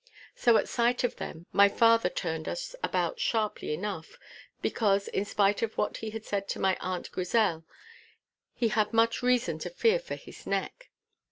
So at sight of them my father turned us about sharply enough, because, in spite of what he had said to my Aunt Grisel, he had much reason to fear for his neck.